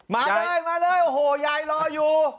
มาเลยมาเลยโอ้โหยายรออยู่